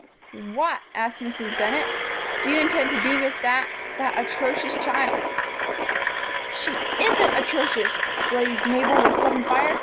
"What," asked Mrs. Bennett, "do you intend to do with that that atrocious child?" "She isn't atrocious!" blazed Mabel, with sudden fire.